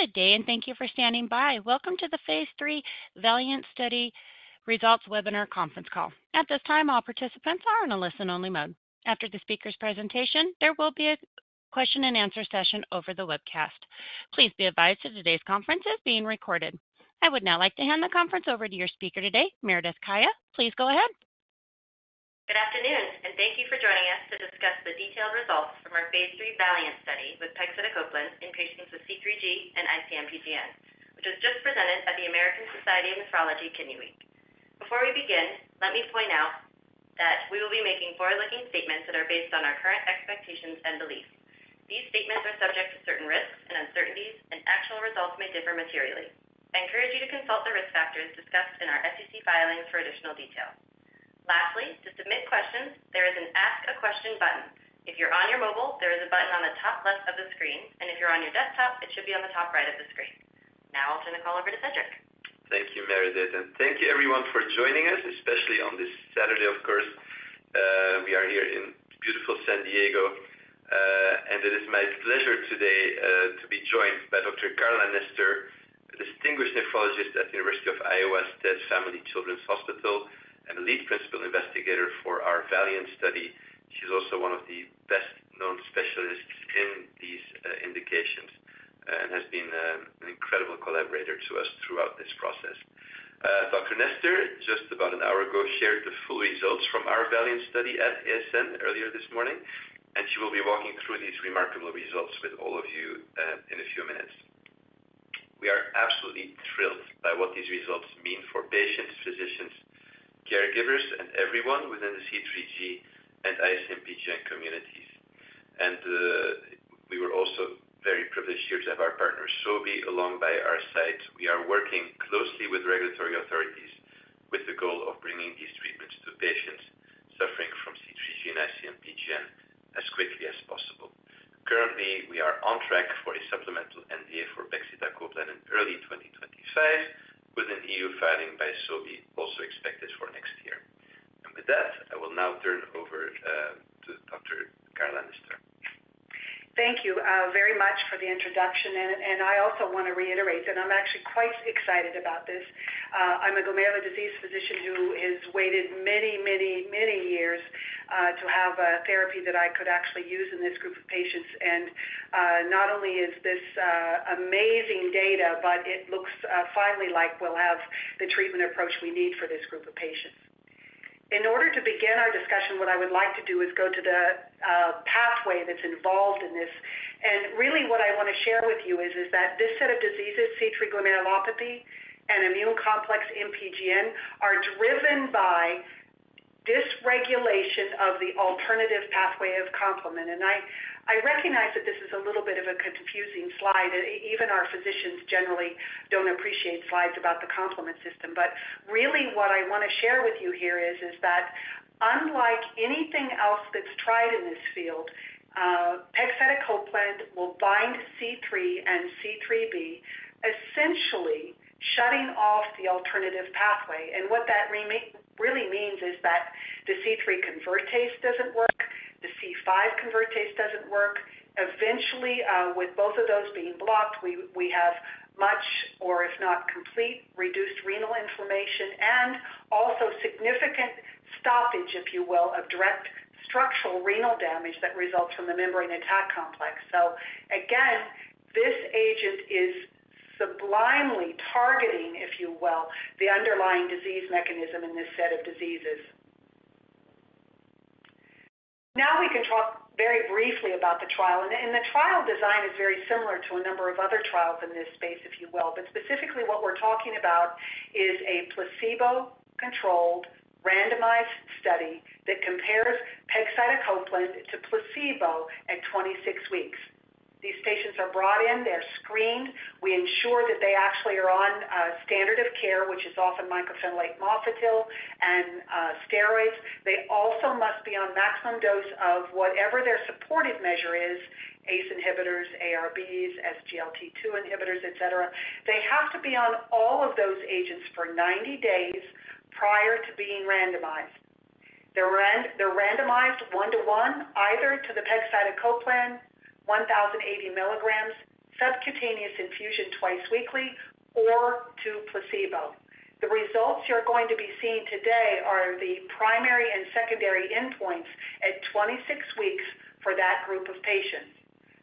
Good day, and thank you for standing by. Welcome to the Phase III VALIANT Study Results Webinar conference call. At this time, all participants are in a listen-only mode. After the speaker's presentation, there will be a question-and-answer session over the webcast. Please be advised that today's conference is being recorded. I would now like to hand the conference over to your speaker today, Meredith Kaya. Please go ahead. Good afternoon, and thank you for joining us to discuss the detailed results from our Phase III VALIANT study with pegcetacoplan in patients with C3G and IC-MPGN, which was just presented at the American Society of Nephrology Kidney Week. Before we begin, let me point out that we will be making forward-looking statements that are based on our current expectations and beliefs. These statements are subject to certain risks and uncertainties, and actual results may differ materially. I encourage you to consult the risk factors discussed in our SEC filings for additional detail. Lastly, to submit questions, there is an Ask a Question button. If you're on your mobile, there is a button on the top left of the screen, and if you're on your desktop, it should be on the top right of the screen. Now I'll turn the call over to Cedric. Thank you, Meredith, and thank you everyone for joining us, especially on this Saturday, of course. We are here in beautiful San Diego, and it is my pleasure today to be joined by Dr. Carla Nester, a distinguished nephrologist at the University of Iowa Stead Family Children's Hospital and lead principal investigator for our VALIANT study. She's also one of the best-known specialists in these indications and has been an incredible collaborator to us throughout this process. Dr. Nester, just about an hour ago, shared the full results from our VALIANT study at ASN earlier this morning, and she will be walking through these remarkable results with all of you in a few minutes. We are absolutely thrilled by what these results mean for patients, physicians, caregivers, and everyone within the C3G and IC-MPGN communities. And, we were also very privileged here to have our partner, Sobi, along by our side. We are working closely with regulatory authorities with the goal of bringing these treatments to patients suffering from C3G and IC-MPGN as quickly as possible. Currently, we are on track for a supplemental NDA for pegcetacoplan in early 2025, with an EU filing by Sobi also expected for next year. And with that, I will now turn over to Dr. Carla Nester. Thank you, very much for the introduction, and I also want to reiterate that I'm actually quite excited about this. I'm a glomerular disease physician who has waited many, many, many years to have a therapy that I could actually use in this group of patients. And, not only is this amazing data, but it looks finally like we'll have the treatment approach we need for this group of patients. In order to begin our discussion, what I would like to do is go to the pathway that's involved in this. And really what I want to share with you is that this set of diseases, C3 glomerulopathy and immune complex MPGN, are driven by dysregulation of the alternative pathway of complement. And I recognize that this is a little bit of a confusing slide. Even our physicians generally don't appreciate slides about the complement system, but really what I want to share with you here is that unlike anything else that's tried in this field, pegcetacoplan will bind C3 and C3b, essentially shutting off the alternative pathway, and what that really means is that the C3 convertase doesn't work, the C5 convertase doesn't work. Eventually, with both of those being blocked, we have much or if not complete reduced renal inflammation and also significant stoppage, if you will, of direct structural renal damage that results from the membrane attack complex, so again, this agent is sublimely targeting, if you will, the underlying disease mechanism in this set of diseases. Now, we can talk very briefly about the trial, and the trial design is very similar to a number of other trials in this space, if you will. But specifically, what we're talking about is a placebo-controlled randomized study that compares pegcetacoplan to placebo at twenty-six weeks. These patients are brought in, they're screened. We ensure that they actually are on standard of care, which is often mycophenolate mofetil and steroids. They also must be on maximum dose of whatever their supportive measure is, ACE inhibitors, ARBs, SGLT2 inhibitors, et cetera. They have to be on all of those agents for ninety days prior to being randomized. They're randomized one to one, either to the pegcetacoplan one thousand eighty milligrams, subcutaneous infusion twice weekly, or to placebo. The results you're going to be seeing today are the primary and secondary endpoints at twenty-six weeks for that group of patients.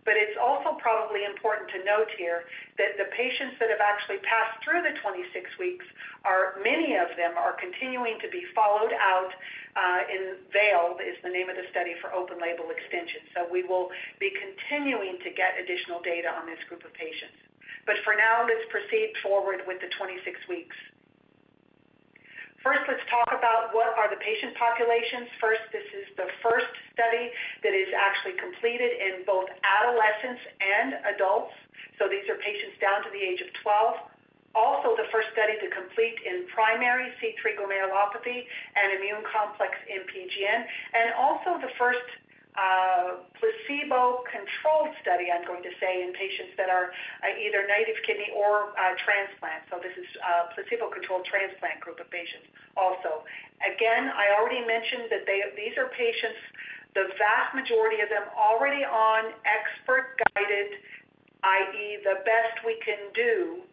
But it's also probably important to note here that the patients that have actually passed through the twenty-six weeks are, many of them are continuing to be followed out in VALE, is the name of the study for open-label extension. So we will be continuing to get additional data on this group of patients. But for now, let's proceed forward with the twenty-six weeks. First, let's talk about what are the patient populations. First, this is the first study that is actually completed in both adolescents and adults, so these are patients down to the age of twelve. Also, the first study to complete in primary C3 glomerulopathy and immune complex MPGN, and also the first placebo-controlled study, I'm going to say, in patients that are either native kidney or transplant. So this is a placebo-controlled transplant group of patients also. Again, I already mentioned that they, these are patients, the vast majority of them already on expert-guided, i.e., the best we can do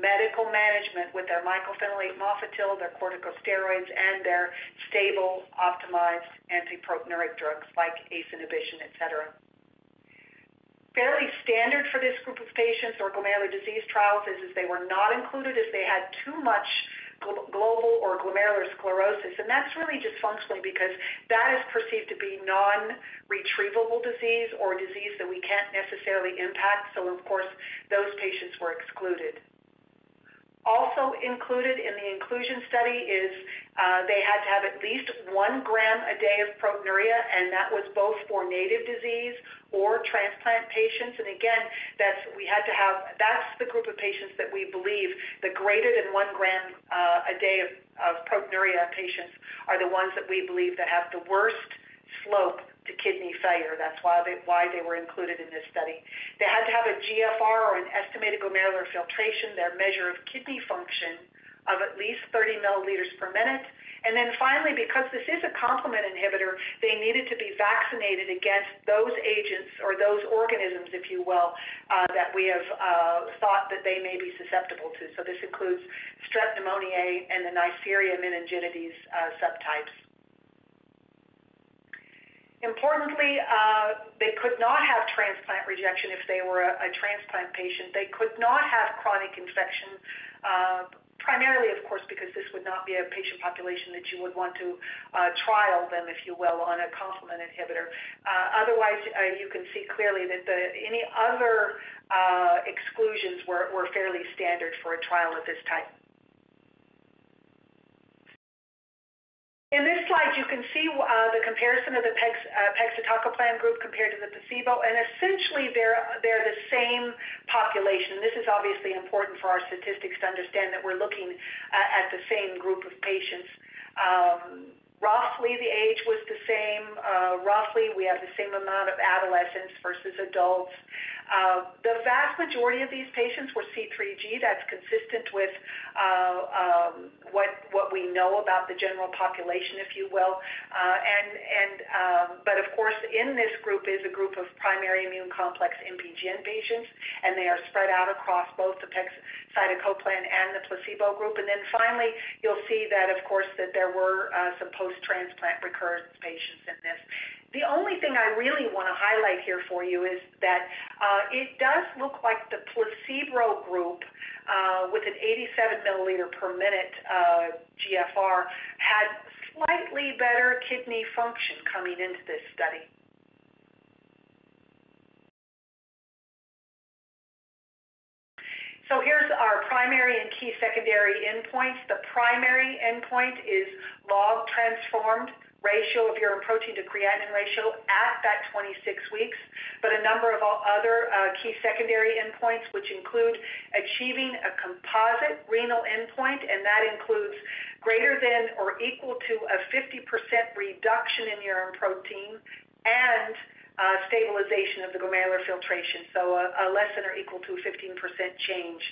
medical management with their mycophenolate mofetil, their corticosteroids, and their stable, optimized anti-proteinuric drugs like ACE inhibition, et cetera. Fairly standard for this group of patients or glomerular disease trials is they were not included if they had too much global or glomerular sclerosis, and that's really just functionally because that is perceived to be non-retrievable disease or disease that we can't necessarily impact. So of course, those patients were excluded. Also included in the inclusion study is they had to have at least one gram a day of proteinuria, and that was both for native disease or transplant patients. Again, that's the group of patients that we believe the greater than one gram a day of proteinuria patients are the ones that we believe that have the worst slope to kidney failure. That's why they were included in this study. They had to have a GFR or an estimated glomerular filtration rate, their measure of kidney function of at least thirty milliliters per minute. Then finally, because this is a complement inhibitor, they needed to be vaccinated against those agents or those organisms, if you will, that we have thought that they may be susceptible to. This includes Strep pneumoniae and the Neisseria meningitidis subtypes. Importantly, they could not have transplant rejection if they were a transplant patient. They could not have chronic infection, primarily, of course, because this would not be a patient population that you would want to trial them, if you will, on a complement inhibitor. Otherwise, you can see clearly that the any other exclusions were fairly standard for a trial of this type. In this slide, you can see the comparison of the pegcetacoplan group compared to the placebo, and essentially, they're the same population. This is obviously important for our statistics to understand that we're looking at the same group of patients. Roughly, the age was the same. Roughly, we have the same amount of adolescents versus adults. The vast majority of these patients were C3G. That's consistent with what we know about the general population, if you will. But of course, in this group is a group of primary immune complex MPGN patients, and they are spread out across both the pegcetacoplan and the placebo group. And then finally, you'll see that, of course, that there were some post-transplant recurrence patients in this. The only thing I really want to highlight here for you is that it does look like the placebo group with an 87 milliliter per minute GFR had slightly better kidney function coming into this study. So here's our primary and key secondary endpoints. The primary endpoint is log transformed ratio of urine protein to creatinine ratio at that 26 weeks, but a number of other key secondary endpoints, which include achieving a composite renal endpoint, and that includes greater than or equal to a 50% reduction in urine protein and stabilization of the glomerular filtration, so a less than or equal to 15% change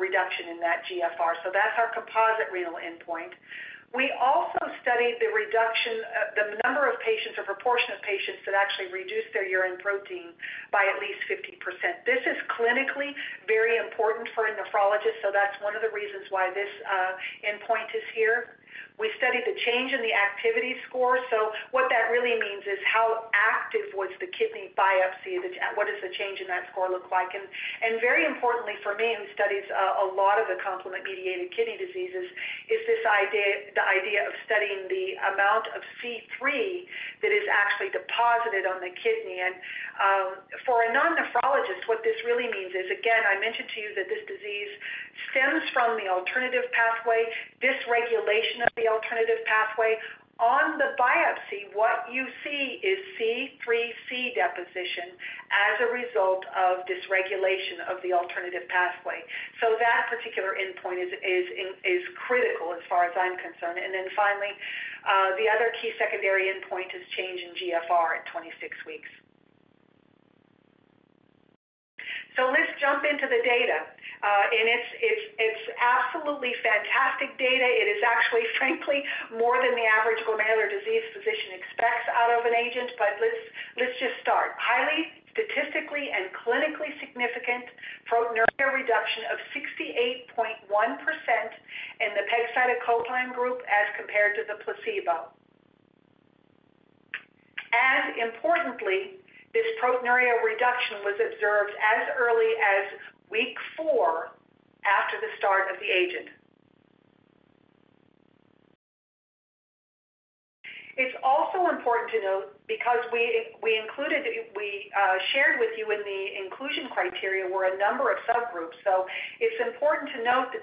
reduction in that GFR, that's our composite renal endpoint. We also studied the reduction of the number of patients or proportion of patients that actually reduced their urine protein by at least 50%. This is clinically very important for a nephrologist, so that's one of the reasons why this endpoint is here. We studied the change in the activity score. So what that really means is how active was the kidney biopsy, that what does the change in that score look like, and very importantly for me, who studies a lot of the complement-mediated kidney diseases, is this idea, the idea of studying the amount of C3 that is actually deposited on the kidney, and for a non-nephrologist, what this really means is, again, I mentioned to you that this disease stems from the alternative pathway, dysregulation of the alternative pathway. On the biopsy, what you see is C3c deposition as a result of dysregulation of the alternative pathway, so that particular endpoint is critical as far as I'm concerned. And then finally, the other key secondary endpoint is change in GFR at twenty-six weeks. So let's jump into the data, and it's absolutely fantastic data. It is actually, frankly, more than the average glomerular disease physician expects out of an agent but let's, let's just start. Highly, statistically and clinically significant proteinuria reduction of 68.1% in the pegcetacoplan group as compared to the placebo. As importantly, this proteinuria reduction was observed as early as week four after the start of the agent. It's also important to note, because we shared with you in the inclusion criteria were a number of subgroups, so it's important to note that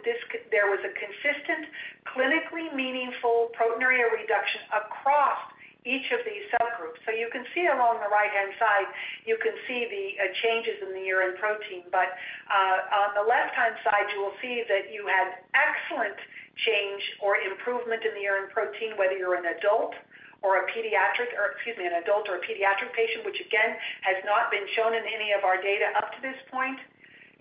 there was a consistent, clinically meaningful proteinuria reduction across each of these subgroups, so you can see along the right-hand side, you can see the changes in the urine protein. But, on the left-hand side, you will see that you had excellent change or improvement in the urine protein, whether you're an adult or a pediatric, or excuse me, an adult or a pediatric patient, which again has not been shown in any of our data up to this point.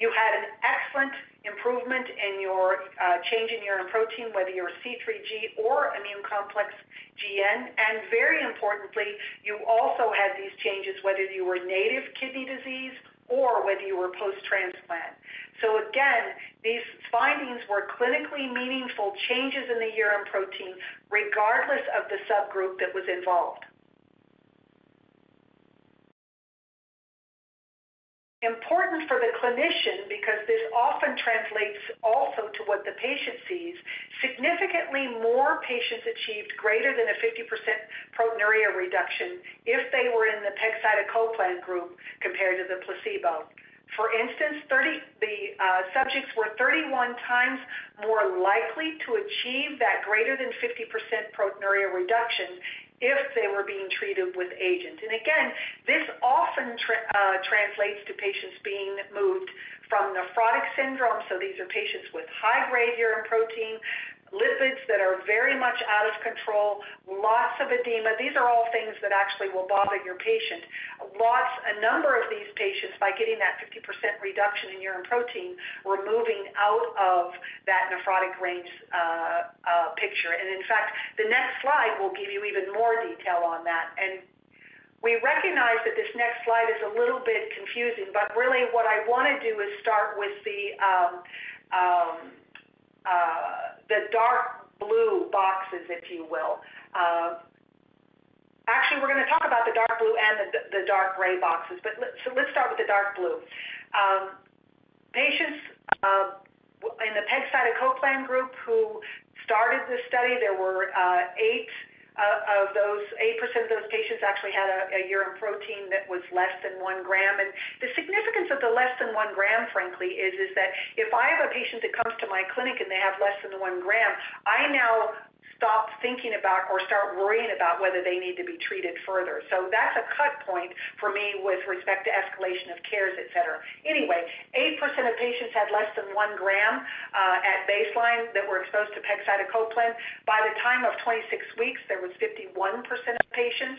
You had an excellent improvement in your change in urine protein, whether you're C3G or immune complex GN, and very importantly, you also had these changes, whether you were native kidney disease or whether you were post-transplant, so again these findings were clinically meaningful changes in the urine protein, regardless of the subgroup that was involved. Important for the clinician, because this often translates also to what the patient sees. Significantly more patients achieved greater than a 50% proteinuria reduction if they were in the pegcetacoplan group compared to the placebo. For instance, the subjects were 31 times more likely to achieve that greater than 50% proteinuria reduction if they were being treated with agent. And again, this often translates to patients being moved from nephrotic syndrome, so these are patients with high-grade urine protein, lipids that are very much out of control, lots of edema. These are all things that actually will bother your patient. A number of these patients by getting that 50% reduction in urine protein, were moving out of that nephrotic range, picture. And in fact, the next slide will give you even more detail on that. And we recognize that this next slide is a little bit confusing, but really what I want to do is start with the dark blue boxes, if you will. Actually, we're going to talk about the dark blue and the dark gray boxes, but so let's start with the dark blue. Patients in the pegcetacoplan group who started this study, there were eight of those, 8% of those patients actually had a urine protein that was less than one gram. And the significance of the less than one gram, frankly, is that if I have a patient that comes to my clinic and they have less than one gram, I now stop thinking about or start worrying about whether they need to be treated further. So that's a cut point for me with respect to escalation of cares, et cetera. Anyway, 8% of patients had less than one gram at baseline that were exposed to pegcetacoplan. By the time of 26 weeks, there was 51% of patients.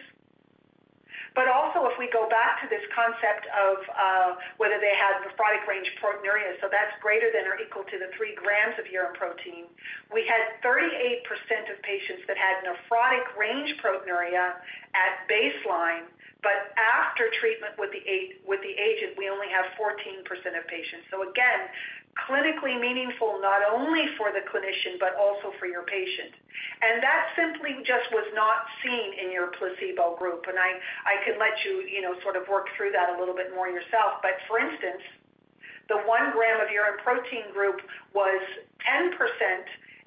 But also, if we go back to this concept of whether they had nephrotic range proteinuria, so that's greater than or equal to three grams of urine protein. We had 38% of patients that had nephrotic range proteinuria at baseline, but after treatment with the agent, we only have 14% of patients. So again, clinically meaningful, not only for the clinician, but also for your patient. And that simply just was not seen in your placebo group, and I can let you, you know, sort of work through that a little bit more yourself. But for instance, the 1 gram of urine protein group was 10%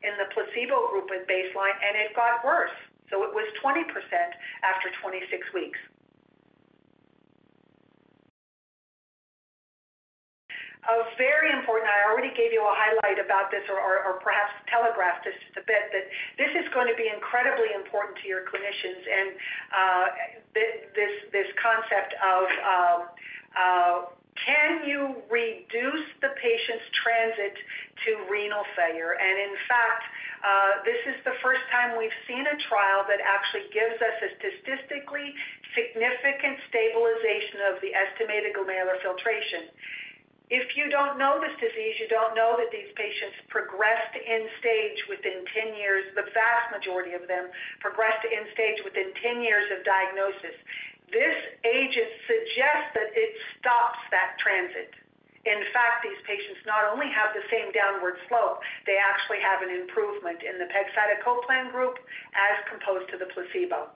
in the placebo group at baseline, and it got worse. So it was 20% after 26 weeks. A very important, I already gave you a highlight about this or perhaps telegraphed this just a bit, but this is going to be incredibly important to your clinicians and this concept of can you reduce the patient's transit to renal failure? In fact, this is the first time we've seen a trial that actually gives us a statistically significant stabilization of the estimated glomerular filtration. If you don't know this disease, you don't know that these patients progressed end-stage within ten years. The vast majority of them progressed end-stage within ten years of diagnosis. This agent suggests that it stops that transit. In fact, these patients not only have the same downward slope, they actually have an improvement in the pegcetacoplan group as compared to the placebo.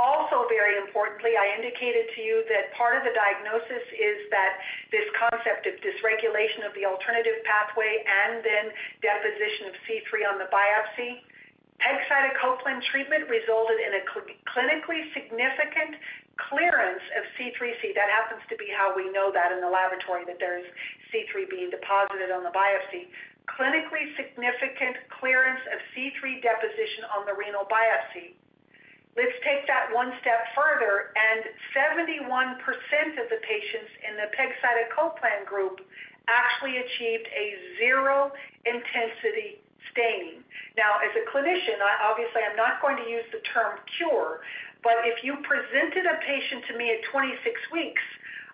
Also, very importantly, I indicated to you that part of the diagnosis is that this concept of dysregulation of the alternative pathway and then deposition of C3 on the biopsy. Pegcetacoplan treatment resulted in a clinically significant clearance of C3c. That happens to be how we know that in the laboratory, that there is C3 being deposited on the biopsy. Clinically significant clearance of C3 deposition on the renal biopsy. Let's take that one step further, and 71% of the patients in the pegcetacoplan group actually achieved a zero intensity staining. Now, as a clinician, I obviously am not going to use the term cure, but if you presented a patient to me at 26 weeks,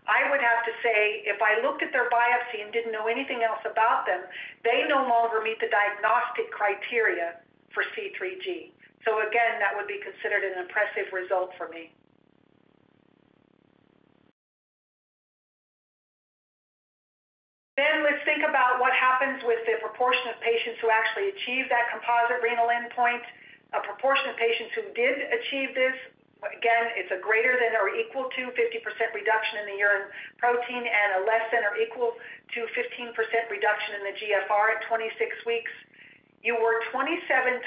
I would have to say, if I looked at their biopsy and didn't know anything else about them, they no longer meet the diagnostic criteria for C3G. So again, that would be considered an impressive result for me. Then let's think about what happens with the proportion of patients who actually achieve that composite renal endpoint. A proportion of patients who did achieve this, again, it's a greater than or equal to 50% reduction in the urine protein and a less than or equal to 15% reduction in the GFR at 26 weeks. You were 27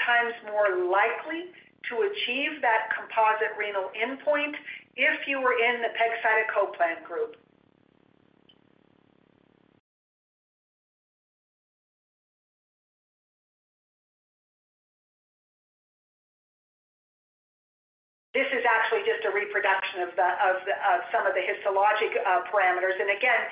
times more likely to achieve that composite renal endpoint if you were in the pegcetacoplan group. This is actually just a reproduction of some of the histologic parameters. And again,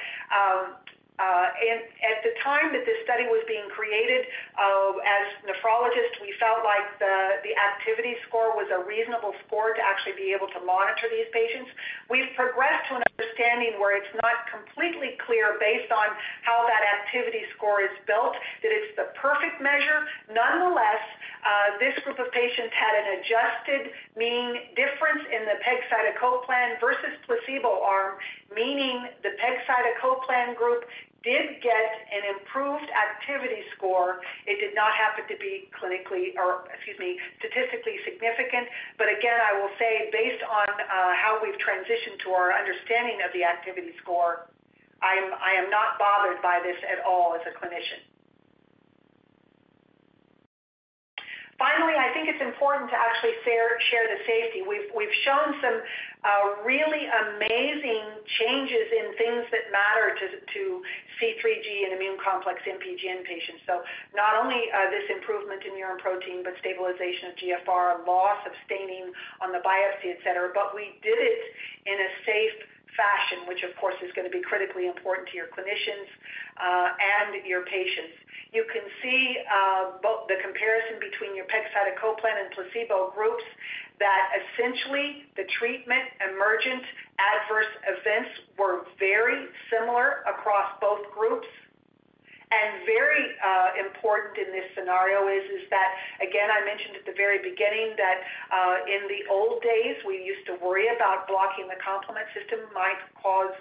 at the time that this study was being created, as nephrologists, we felt like the activity score was a reasonable score to actually be able to monitor these patients. We've progressed to an understanding where it's not completely clear, based on how that activity score is built, that it's the perfect measure. Nonetheless, this group of patients had an adjusted mean difference in the pegcetacoplan versus placebo arm, meaning the pegcetacoplan group did get an improved activity score. It did not happen to be clinically or, excuse me, statistically significant. But again, I will say, based on how we've transitioned to our understanding of the activity score, I'm, I am not bothered by this at all as a clinician. Finally, I think it's important to actually fairly share the safety. We've shown some really amazing changes in things that matter to C3G and immune complex MPGN patients. So not only this improvement in urine protein, but stabilization of GFR, loss of staining on the biopsy, etc. But we did it in a safe fashion, which, of course, is gonna be critically important to your clinicians, and your patients. You can see, both the comparison between your pegcetacoplan and placebo groups, that essentially the treatment emergent adverse events were very similar across both groups. And very important in this scenario is that, again, I mentioned at the very beginning that, in the old days, we used to worry about blocking the complement system might cause,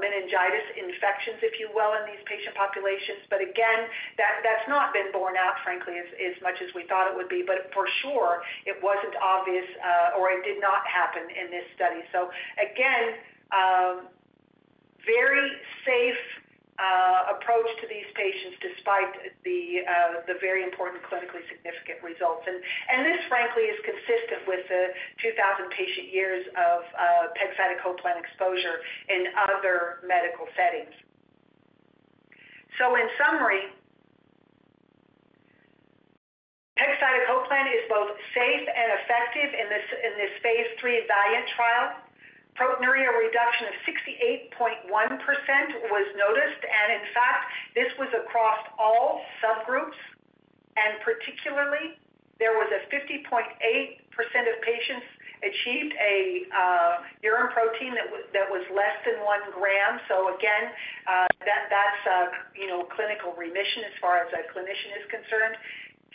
meningitis infections, if you will, in these patient populations. But again, that's not been borne out frankly, as much as we thought it would be, but for sure, it wasn't obvious, or it did not happen in this study. So again, very safe approach to these patients despite the the very important clinically significant results. This frankly is consistent with the 2000 patient years of pegcetacoplan exposure in other medical settings. So in summary, pegcetacoplan is both safe and effective in this phase III VALIANT trial. Proteinuria reduction of 68.1% was noticed, and in fact, this was across all subgroups, and particularly, there was a 50.8% of patients achieved a urine protein that was less than one gram. So again, that's a you know clinical remission as far as a clinician is concerned.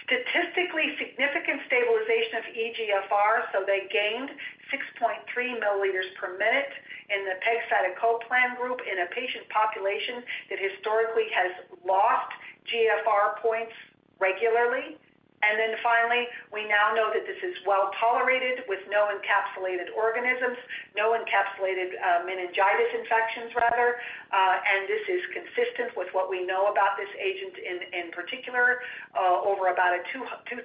Statistically significant stabilization of eGFR, so they gained 6.3 milliliters per minute in the pegcetacoplan group in a patient population that historically has lost GFR points regularly. And then finally, we now know that this is well tolerated with no encapsulated organisms, no encapsulated meningitis infections rather. And this is consistent with what we know about this agent in particular over about 2,000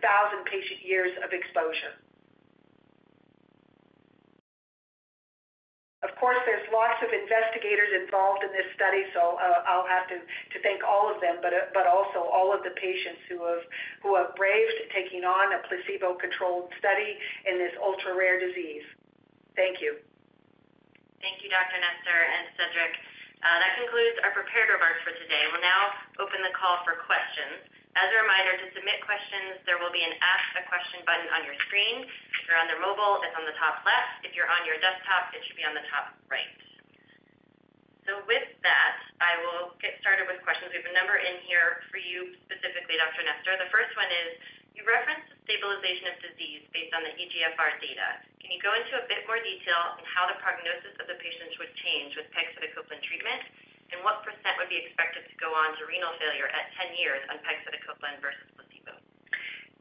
patient years of exposure. Of course, there's lots of investigators involved in this study, so I'll have to thank all of them, but also all of the patients who have braved taking on a placebo-controlled study in this ultra-rare disease. Thank you. Thank you, Dr. Nester and Cedric. That concludes our prepared remarks for today. We'll now open the call for questions. As a reminder, to submit questions, there will be an Ask a Question button on your screen. If you're on the mobile, it's on the top left. If you're on your desktop, it should be on the top right. So with that, I will get started with questions. We have a number in here for you, specifically, Dr. Nester. The first one is: You referenced the stabilization of disease based on the eGFR data. Can you go into a bit more detail on how the prognosis of the patients would change with pegcetacoplan treatment, and what % would be expected to go on to renal failure at 10 years on pegcetacoplan versus placebo?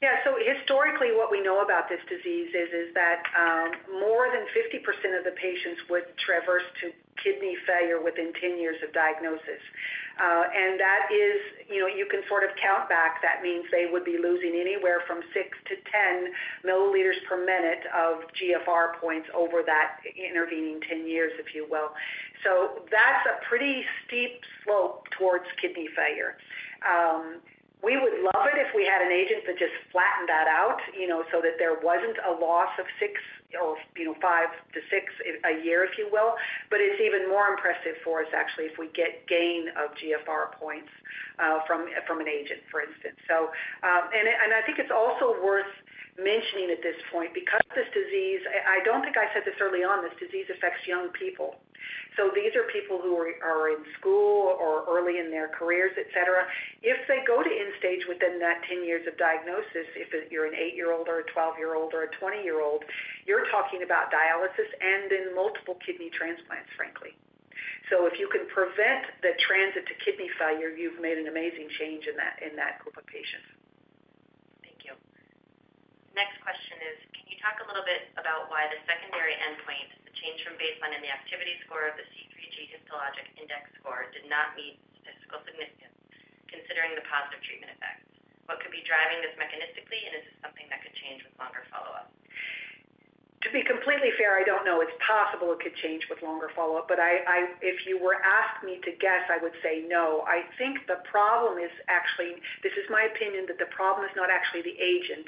Yeah. So historically, what we know about this disease is that more than 50% of the patients would traverse to kidney failure within 10 years of diagnosis. And that is, you know, you can sort of count back. That means they would be losing anywhere from 6 milliliters to 10 milliliters per minute of GFR points over that intervening 10 years, if you will. So that's a pretty steep slope towards kidney failure. We would love it if we had an agent that just flattened that out, you know, so that there wasn't a loss of 6 or, you know, 5 to 6 a year, if you will. But it's even more impressive for us, actually, if we get gain of GFR points from an agent, for instance. So and I think it's also worth mentioning at this point, because this disease... I don't think I said this early on, this disease affects young people. So these are people who are in school or early in their careers, etc. If they go to end stage within that ten years of diagnosis, if you're an eight-year-old or a twelve-year-old or a twenty-year-old, you're talking about dialysis and then multiple kidney transplants, frankly. So if you can prevent the transit to kidney failure, you've made an amazing change in that group of patients. Thank you. Next question is, Can you talk a little bit about why the secondary endpoint, the change from baseline in the activity score of the C3G histologic index score, did not meet statistical significance, considering the positive treatment effect? What could be driving this mechanism? ...To be completely fair, I don't know. It's possible it could change with longer follow-up, but if you were to ask me to guess, I would say no. I think the problem is actually, this is my opinion, that the problem is not actually the agent.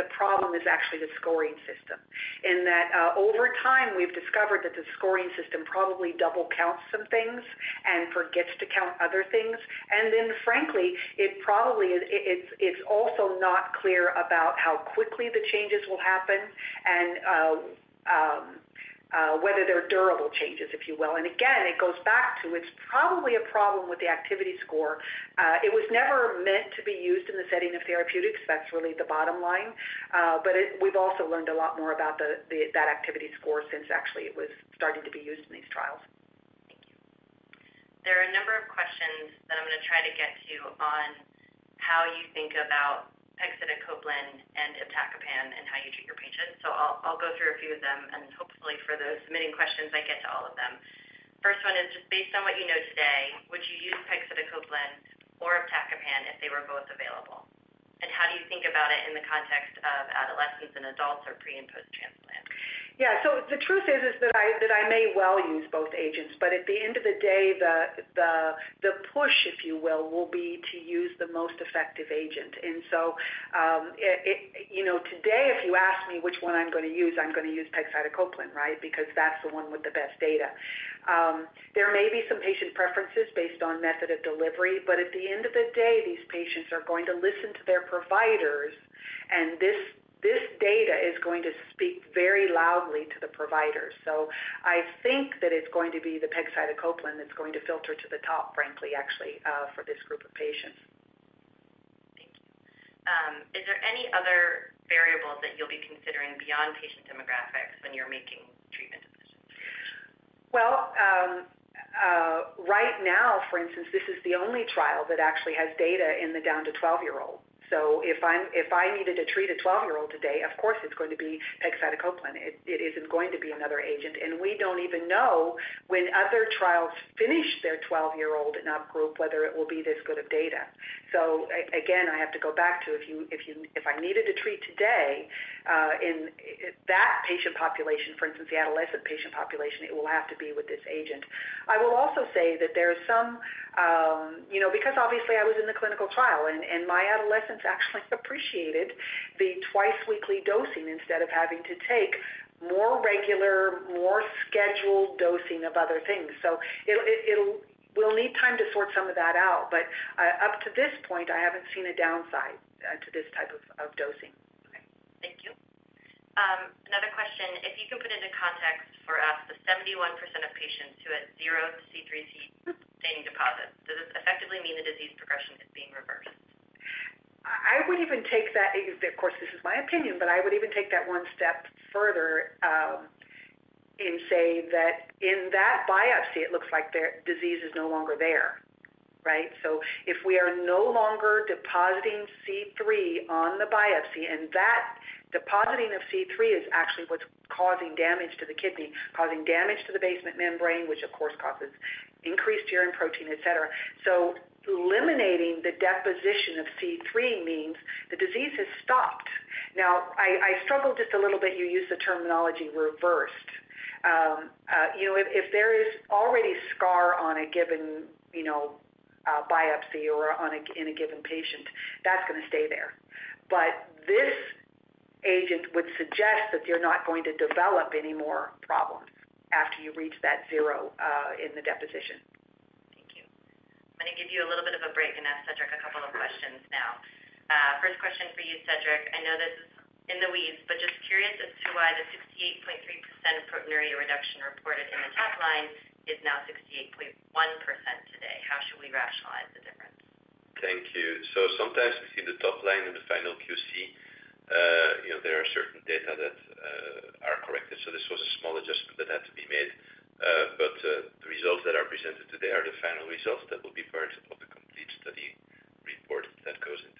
The problem is actually the scoring system, in that over time, we've discovered that the scoring system probably double counts some things and forgets to count other things. And then frankly, it probably is also not clear about how quickly the changes will happen and whether they're durable changes, if you will. And again, it goes back to it's probably a problem with the activity score. It was never meant to be used in the setting of therapeutics. That's really the bottom line. But we've also learned a lot more about that activity score since actually it was starting to be used in these trials. Thank you. There are a number of questions that I'm gonna try to get to on how you think about pegcetacoplan and iptacopan and how you treat your patients. So I'll go through a few of them, and hopefully, for those submitting questions, I get to all of them. First one is, just based on what you know today, would you use pegcetacoplan or iptacopan if they were both available? And how do you think about it in the context of adolescents and adults or pre and post-transplant? Yeah, so the truth is that I may well use both agents, but at the end of the day, the push, if you will, will be to use the most effective agent, and so you know, today, if you ask me which one I'm gonna use, I'm gonna use pegcetacoplan, right? Because that's the one with the best data. There may be some patient preferences based on method of delivery, but at the end of the day, these patients are going to listen to their providers, and this data is going to speak very loudly to the providers. So I think that it's going to be the pegcetacoplan that's going to filter to the top, frankly, actually, for this group of patients. Thank you. Is there any other variables that you'll be considering beyond patient demographics when you're making treatment decisions? Well, right now, for instance, this is the only trial that actually has data in the down to 12-year-old. So if I needed to treat a 12-year-old today, of course, it's going to be pegcetacoplan. It isn't going to be another agent, and we don't even know when other trials finish their 12-year-old and up group, whether it will be this good of data. So again, I have to go back to if I needed to treat today, in that patient population, for instance, the adolescent patient population, it will have to be with this agent. I will also say that there is some. You know, because obviously I was in the clinical trial, and my adolescents actually appreciated the twice-weekly dosing instead of having to take more regular, more scheduled dosing of other things. We'll need time to sort some of that out, but up to this point, I haven't seen a downside to this type of dosing. Okay, thank you. Another question. If you can put into context for us, the 71% of patients who had zero C3c staining deposits, does this effectively mean the disease progression is being reversed? I would even take that, of course, this is my opinion, but I would even take that one step further, and say that in that biopsy, it looks like their disease is no longer there, right? So if we are no longer depositing C3 on the biopsy, and that depositing of C3 is actually what's causing damage to the kidney, causing damage to the basement membrane, which of course causes increased urine protein, et cetera. So eliminating the deposition of C3 means the disease has stopped. Now, I struggle just a little bit, you used the terminology reversed. You know, if there is already scar on a given biopsy or in a given patient, that's gonna stay there. But this agent would suggest that you're not going to develop any more problems after you reach that zero, in the deposition. Thank you. I'm gonna give you a little bit of a break and ask Cedric a couple of questions now. First question for you, Cedric. I know this is in the weeds, but just curious as to why the 68.3% proteinuria reduction reported in the top line is now 68.1% today. How should we rationalize the difference? Thank you, so sometimes you see the top line in the final QC, you know, there are certain data that are corrected, so this was a small adjustment that had to be made. But, the results that are presented today are the final results that will be part of the complete study report that goes into the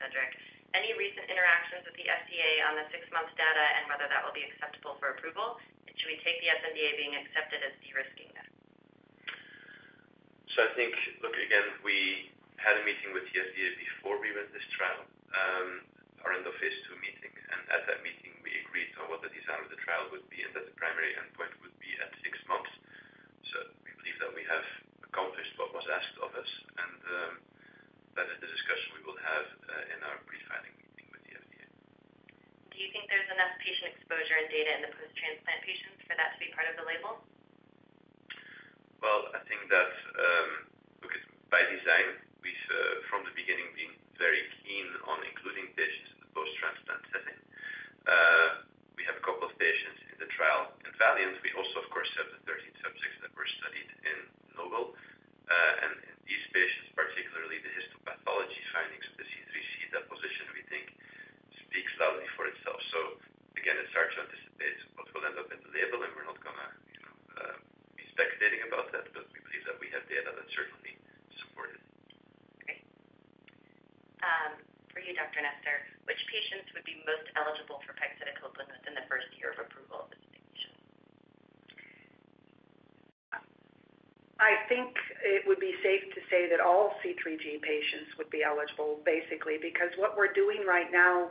supplemental NDA. Thank you. Another question for you, Cedric. Any recent interactions with the FDA on the six-month data and whether that will be acceptable for approval? And should we take the FDA being accepted as de-risking that? I think, look, again, we had a meeting with the FDA before we ran this trial, our end of phase two meeting. At that meeting, we agreed on what the design of the trial would be and that the primary endpoint would be at six months. We believe that we have accomplished what was asked of us, and that is the discussion we will have in our pre-filing meeting with the FDA. Do you think there's enough patient exposure and data in the post-transplant patients for that to be part of the label? I think that, because by design, we've, from the beginning, been very keen on including patients in the post-transplant setting. We have a couple of patients in the trial evaluations. We also, of course, have the thirteen subjects that were studied in NOVEL. These patients, particularly the histopathology findings of the C3c deposition, we think speaks loudly for itself. Again, it's hard to anticipate what will end up in the label, and we're not gonna, you know, be speculating about that, but we believe that we have data that certainly support it. Great. For you, Dr. Nester, which patients would be most eligible for pegcetacoplan?... I think it would be safe to say that all C3G patients would be eligible, basically, because what we're doing right now,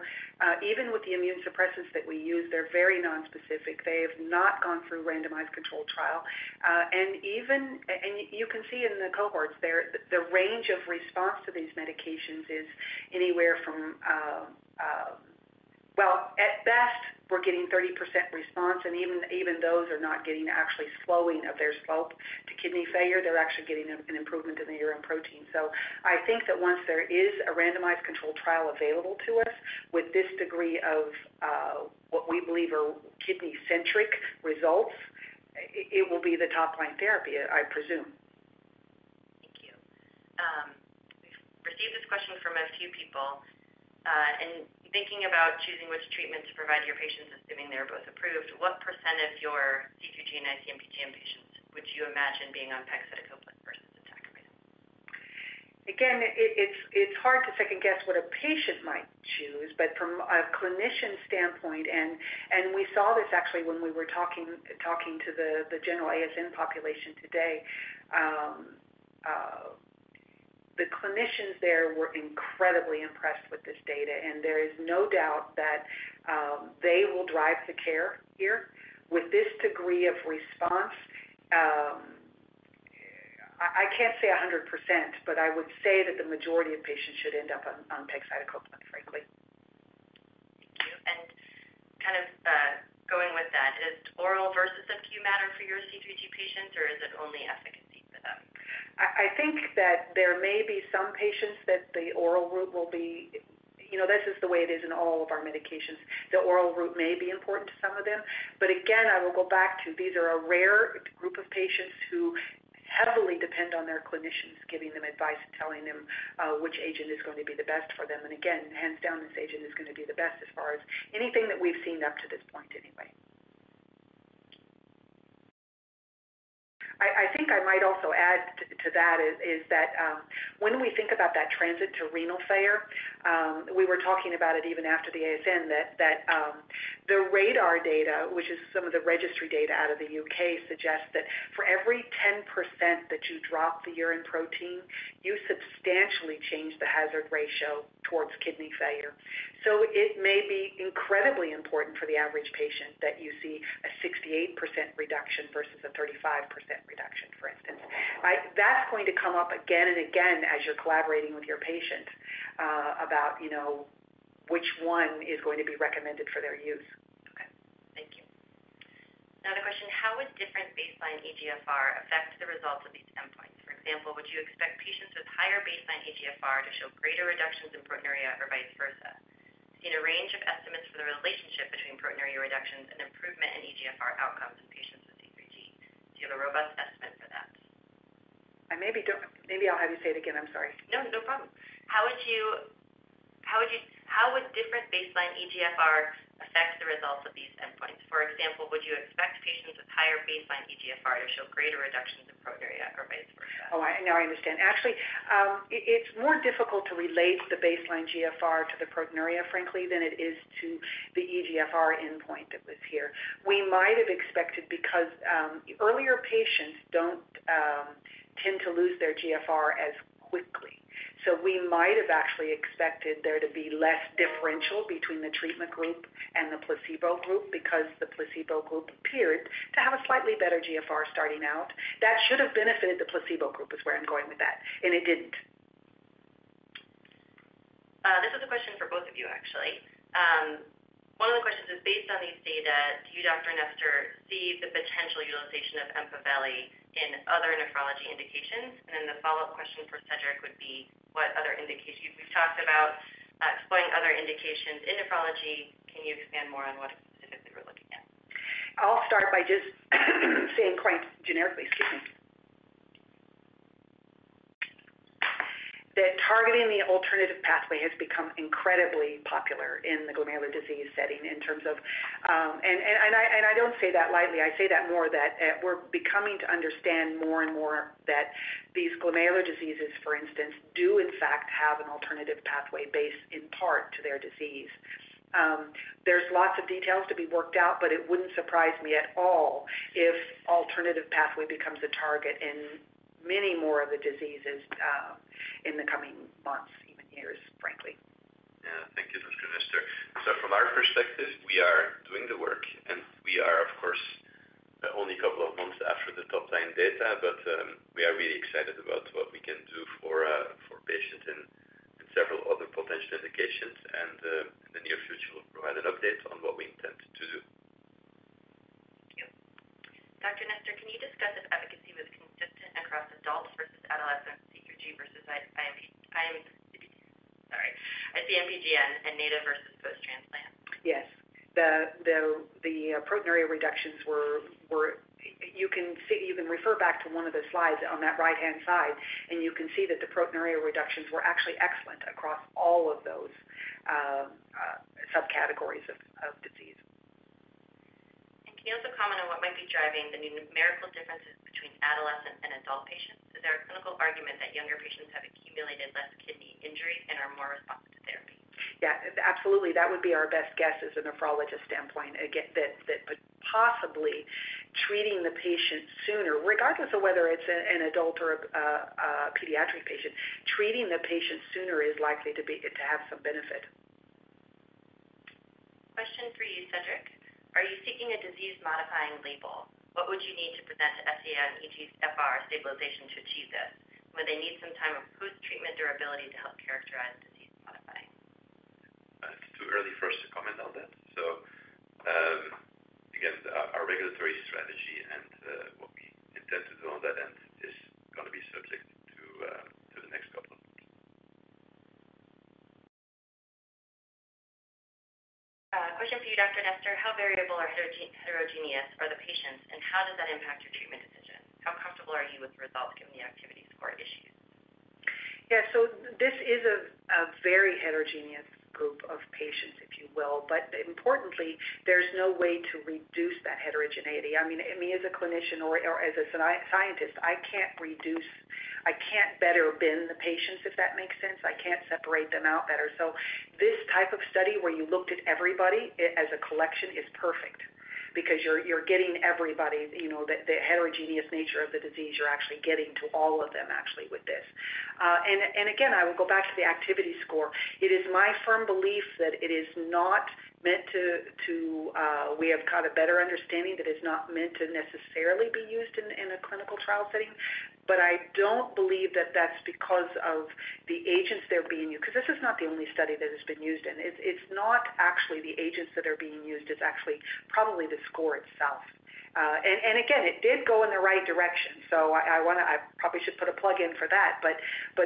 even with the immune suppressants that we use, they're very nonspecific. They have not gone through randomized controlled trial. And even, you can see in the cohorts there, the range of response to these medications is anywhere from, well, at best, we're getting 30% response, and even those are not getting actually slowing of their slope to kidney failure. They're actually getting an improvement in the urine protein. So I think that once there is a randomized controlled trial available to us with this degree of, what we believe are kidney-centric results, it will be the top line therapy, I presume. Thank you. We've received this question from a few people, and thinking about choosing which treatment to provide your patients, assuming they're both approved, what % of your C3G and IC-MPGN patients would you imagine being on pegcetacoplan versus iptacopan? Again, it's hard to second-guess what a patient might choose, but from a clinician standpoint and we saw this actually when we were talking to the general ASN population today. The clinicians there were incredibly impressed with this data, and there is no doubt that they will drive the care here. With this degree of response, I can't say 100%, but I would say that the majority of patients should end up on pegcetacoplan, frankly. Thank you, and kind of, going with that, does oral versus SQ matter for your C3G patients, or is it only efficacy for them? I think that there may be some patients that the oral route will be... You know, this is the way it is in all of our medications. The oral route may be important to some of them, but again, I will go back to these are a rare group of patients who heavily depend on their clinicians, giving them advice and telling them which agent is going to be the best for them. And again, hands down, this agent is going to be the best as far as anything that we've seen up to this point, anyway. I think I might also add to that is that, when we think about that transition to renal failure, we were talking about it even after the ASN, that, the RaDaR data, which is some of the registry data out of the UK, suggests that for every 10% that you drop the urine protein, you substantially change the hazard ratio towards kidney failure. So it may be incredibly important for the average patient that you see a 68% reduction versus a 35% reduction, for instance. That's going to come up again and again as you're collaborating with your patient, about, you know, which one is going to be recommended for their use. Okay, thank you. Another question: How would different baseline eGFR affect the results of these endpoints? For example, would you expect patients with higher baseline eGFR to show greater reductions in proteinuria or vice versa? In a range of estimates for the relationship between proteinuria reductions and improvement in eGFR outcomes in patients with C3G, do you have a robust estimate for that? I maybe don't. Maybe I'll have you say it again. I'm sorry. No, no problem. How would different baseline eGFR affect the results of these endpoints? For example, would you expect patients with higher baseline eGFR to show greater reductions in proteinuria or vice versa? Oh, now I understand. Actually, it's more difficult to relate the baseline GFR to the proteinuria, frankly, than it is to the eGFR endpoint that was here. We might have expected, because earlier patients don't tend to lose their GFR as quickly. So we might have actually expected there to be less differential between the treatment group and the placebo group, because the placebo group appeared to have a slightly better GFR starting out. That should have benefited the placebo group, is where I'm going with that, and it didn't. This is a question for both of you, actually. One of the questions is, based on these data, do you, Dr. Nester, see the potential utilization of Empaveli in other nephrology indications? And then the follow-up question for Cedric would be: What other indications? We've talked about explaining other indications in nephrology. Can you expand more on what specifically we're looking at? I'll start by just saying quite generically, excuse me. Targeting the alternative pathway has become incredibly popular in the glomerular disease setting in terms of, and I don't say that lightly. I say that more in that we're beginning to understand more and more that these glomerular diseases, for instance, do in fact have an alternative pathway based in part on their disease. There's lots of details to be worked out, but it wouldn't surprise me at all if alternative pathway becomes a target in many more of the diseases in the coming months, even years, frankly. Yeah. Thank you, Dr. Nester. So from our perspective, we are doing the work, and we are, of course, only a couple of months after the top-line data, but we are really excited about what we can do for patients in several other potential indications, and in the near future, we'll provide an update on what we intend to do. Thank you. Dr. Nester, can you discuss if efficacy was consistent across adults versus adolescent C3G versus IC-MPGN and native versus post-transplant? Yes. The proteinuria reductions were. You can refer back to one of the slides on that right-hand side, and you can see that the proteinuria reductions were actually excellent across all of those subcategories of disease. Can you also comment on what might be driving the numerical differences between adolescent and adult patients? Is there a clinical argument that younger patients have accumulated less kidney- Yeah, absolutely. That would be our best guess as a nephrologist standpoint, again, that possibly treating the patient sooner, regardless of whether it's an adult or a pediatric patient, treating the patient sooner is likely to be, to have some benefit. Question for you, Cedric. Are you seeking a disease-modifying label? What would you need to present to FDA and eGFR stabilization to achieve this? Would they need some type of proof of treatment durability to help characterize disease-modifying? It's too early for us to comment on that. So, again, our regulatory strategy and what we intend to do on that end is gonna be subject to the next couple of months. Question for you, Dr. Nester. How variable or heterogeneous are the patients, and how does that impact your treatment decisions? How comfortable are you with the results given the activity score issue? Yeah. So this is a very heterogeneous group of patients, if you will. But importantly, there's no way to reduce that heterogeneity. I mean, me, as a clinician or as a scientist, I can't reduce. I can't better bin the patients, if that makes sense. I can't separate them out better. So this type of study where you looked at everybody as a collection is perfect because you're getting everybody, you know, the heterogeneous nature of the disease. You're actually getting to all of them, actually, with this. And again, I will go back to the activity score. It is my firm belief that it is not meant to. We have got a better understanding that it's not meant to necessarily be used in a clinical trial setting. But I don't believe that that's because of the agents that are being used, 'cause this is not the only study that it's been used in. It's not actually the agents that are being used, it's actually probably the score itself. And again, it did go in the right direction, so I wanna, I probably should put a plug in for that. But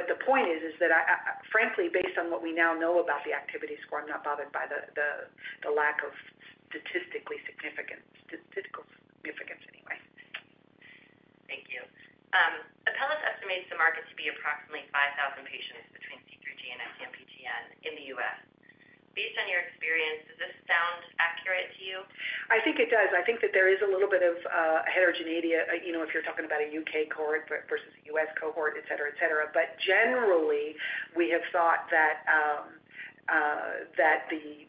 the point is that I frankly, based on what we now know about the activity score, I'm not bothered by the lack of statistical significance anyway. Thank you. Apellis estimates the market to be approximately five thousand patients between C3G and IC-MPGN in the U.S. Based on your experience, does this sound accurate to you? I think it does. I think that there is a little bit of heterogeneity, you know, if you're talking about a UK cohort versus a US cohort, et cetera, et cetera. But generally, we have thought that that the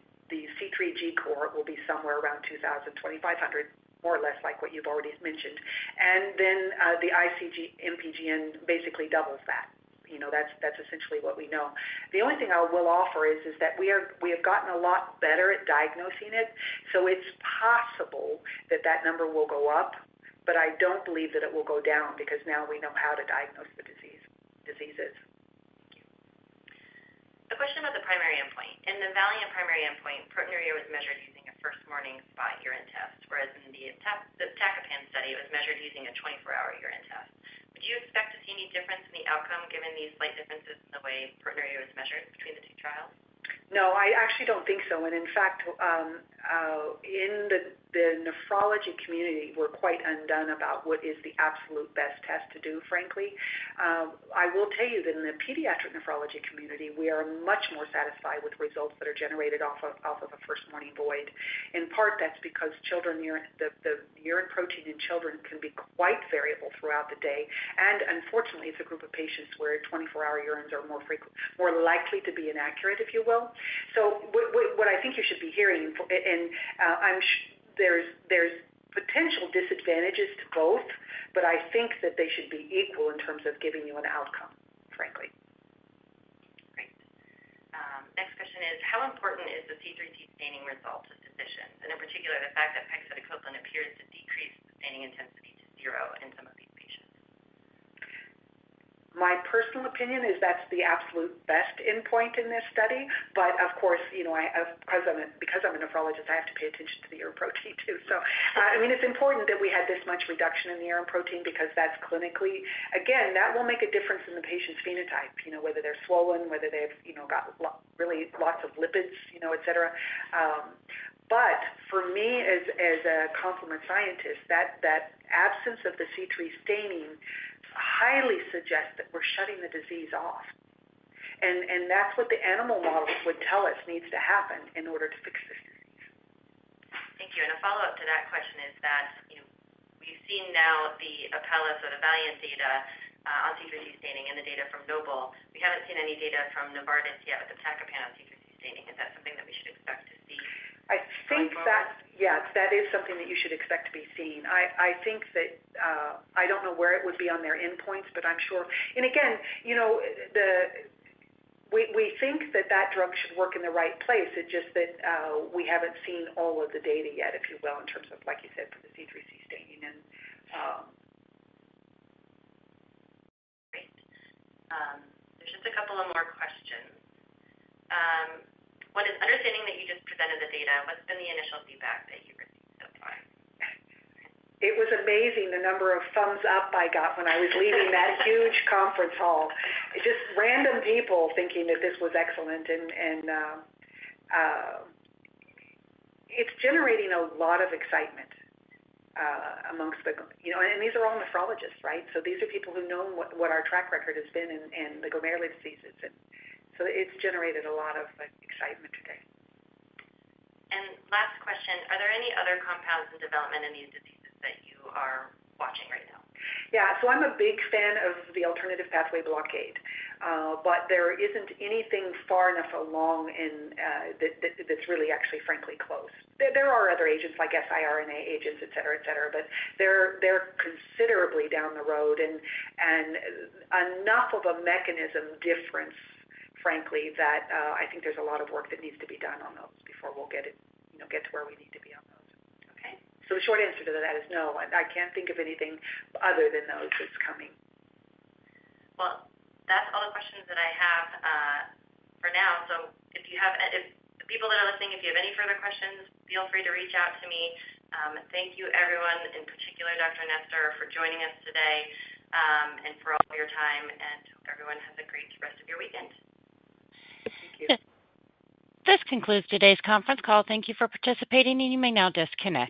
C3G cohort will be somewhere around two thousand, twenty-five hundred, more or less like what you've already mentioned. And then the IC-MPGN basically doubles that. You know, that's essentially what we know. The only thing I will offer is that we have gotten a lot better at diagnosing it, so it's possible that that number will go up, but I don't believe that it will go down because now we know how to diagnose the diseases. Thank you. A question about the primary endpoint. In the VALIANT primary endpoint, proteinuria was measured using a first morning spot urine test, whereas in the iptacopan study, it was measured using a twenty-four hour urine test. Would you expect to see any difference in the outcome given these slight differences in the way proteinuria was measured between the two trials? No, I actually don't think so. And in fact, in the nephrology community, we're quite undone about what is the absolute best test to do, frankly. I will tell you that in the pediatric nephrology community, we are much more satisfied with results that are generated off of a first-morning void. In part, that's because children's urine, the urine protein in children can be quite variable throughout the day. And unfortunately, it's a group of patients where twenty-four hour urines are more frequent, more likely to be inaccurate, if you will. So what I think you should be hearing, and I'm sure there's potential disadvantages to both, but I think that they should be equal in terms of giving you an outcome, frankly. Great. Next question is, how important is the C3c staining result to physicians, and in particular, the fact that pegcetacoplan appears to decrease the staining intensity to zero in some of these patients? My personal opinion is that's the absolute best endpoint in this study. But of course, you know, I, as I'm a nephrologist, I have to pay attention to the urine protein, too. So, I mean, it's important that we had this much reduction in the urine protein because that's clinically... Again, that will make a difference in the patient's phenotype, you know, whether they're swollen, whether they've, you know, got really lots of lipids, you know, et cetera. But for me, as a complement scientist, that absence of the C3 staining highly suggests that we're shutting the disease off. And that's what the animal model would tell us needs to happen in order to fix this disease. Thank you. A follow-up to that question is that, you know, we've seen now the Apellis or the VALIANT data on C3c staining and the data from NOVEL. We haven't seen any data from Novartis yet with the iptacopan on C3c staining. Is that something that we should expect to see in the coming months? I think that, yes, that is something that you should expect to be seeing. I think that I don't know where it would be on their endpoints, but I'm sure. And again, you know, we think that that drug should work in the right place. It's just that we haven't seen all of the data yet, if you will, in terms of, like you said, for the C3c staining and. Great. There's just a couple of more questions. Understanding that you just presented the data, what's been the initial feedback that you've received so far? It was amazing the number of thumbs up I got when I was leaving that huge conference hall. Just random people thinking that this was excellent, and it's generating a lot of excitement amongst the... You know, and these are all nephrologists, right? So these are people who know what our track record has been in the glomerular diseases, and so it's generated a lot of excitement today. Last question, are there any other compounds in development in these diseases that you are watching right now? Yeah, so I'm a big fan of the alternative pathway blockade, but there isn't anything far enough along in that that's really actually frankly close. There are other agents like siRNA agents, et cetera, but they're considerably down the road and enough of a mechanism difference, frankly, that I think there's a lot of work that needs to be done on those before we'll get it, you know, get to where we need to be on those. Okay. So the short answer to that is no. I can't think of anything other than those that's coming. That's all the questions that I have for now. The people that are listening, if you have any further questions, feel free to reach out to me. Thank you everyone, in particular, Dr. Nester, for joining us today, and for all your time, and hope everyone has a great rest of your weekend. Thank you. This concludes today's conference call. Thank you for participating, and you may now disconnect.